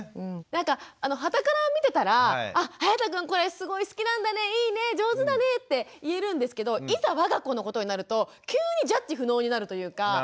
なんかはたから見てたらあはやたくんこれすごい好きなんだねいいね上手だねって言えるんですけどいざわが子のことになると急にジャッジ不能になるというか。